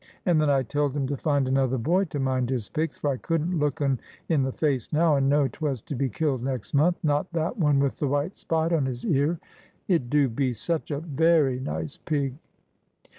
And then I telled him to find another boy to mind his pigs, for I couldn't look un in the face now, and know 'twas to be killed next month, not that one with the white spot on his ear. It do be such a very nice pig!"